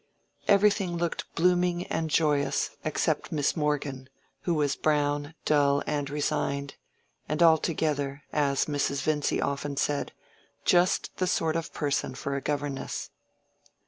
Everything looked blooming and joyous except Miss Morgan, who was brown, dull, and resigned, and altogether, as Mrs. Vincy often said, just the sort of person for a governess.